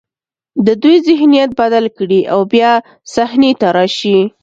د دوی ذهنیت بدل کړي او بیا صحنې ته راشي.